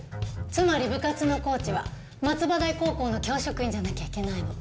つまり部活のコーチは松葉台高校の教職員じゃなきゃいけないの。